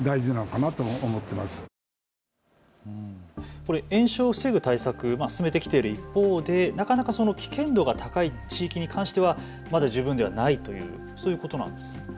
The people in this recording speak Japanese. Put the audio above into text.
これ、延焼を防ぐ対策、進めてきている一方でなかなか危険度が高い地域に関してはまだ十分ではないという、そういうことなんですね。